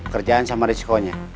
kerjaan sama riskonya